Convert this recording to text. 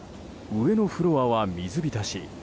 上のフロアは水浸し。